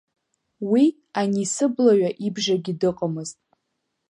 Уи, ани сыблаҩа ибжагьы дыҟамызт.